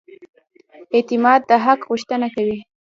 اعتماد د حق غوښتنه کوي.